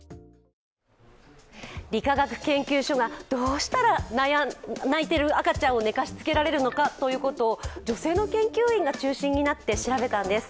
理化学研究所がどうしたら泣いている赤ちゃんを寝かしつけられるのかということを女性の研究員が中心になって調べたんです。